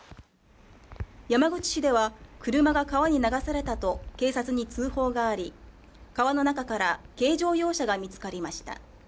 山口市では、車が川に流されたと警察に通報があり、川の中から、軽乗用車が見つかりました。